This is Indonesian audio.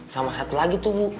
sama satu lagi tuh mu